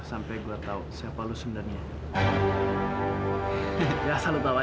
jangan lupa like share dan subscribe ya